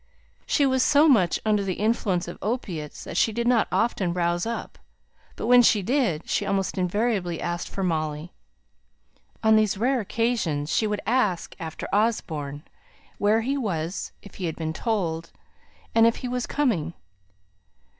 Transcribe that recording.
She was so much under the influence of opiates that she did not often rouse up; but when she did, she almost invariably asked for Molly. On these rare occasions, she would ask after Osborne where he was, if he had been told, and if he was coming?